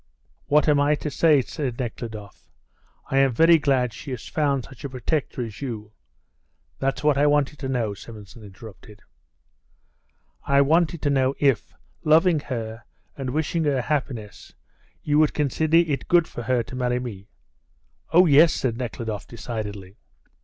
"What am I to say?" said Nekhludoff. "I am very glad she has found such a protector as you " "That's what I wanted to know," Simonson interrupted. "I wanted to know if, loving her and wishing her happiness, you would consider it good for her to marry me?" "Oh, yes," said Nekhludoff decidedly.